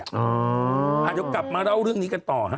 เดี๋ยวกลับมาเล่าเรื่องนี้กันต่อฮะ